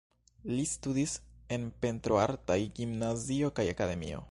Li studis en pentroartaj gimnazio kaj akademio.